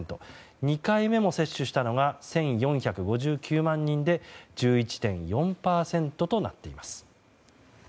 ２回目も接種したのが１４５９万人で１１．４％となっています。